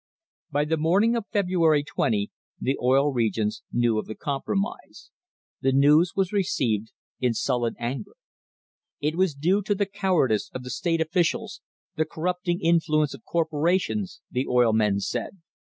By the morning of February 20 the Oil Regions knew of the compromise. The news was received in sullen anger. It was due to the cowardice of the state officials, the corrupt ing influence of corporations, the oil men said.